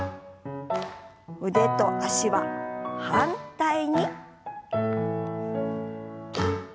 腕と脚は反対に。